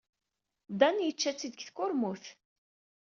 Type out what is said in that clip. Dan yečča-tt-id deg tkurmut.